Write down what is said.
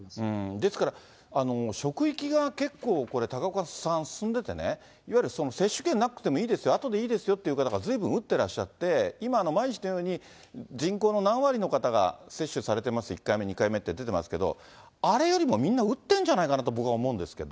ですから、職域が結構、これ、高岡さん、進んでてね、いわゆるその接種券なくてもいいですよ、あとでいいですよっていう方がずいぶん打ってらっしゃって、今、人口の何割の方が接種されてます、１回目、２回目って出てますけれども、あれよりもみんな、打ってるんじゃないかなと僕は思うんですけど。